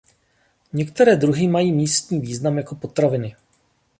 Některé druhy mají místní význam jako potraviny.